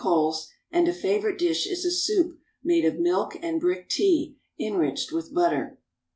coals, and a favorite dish is a soup made of milk and brick tea enriched with butter.